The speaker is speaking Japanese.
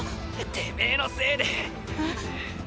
てめえのせいでえっ？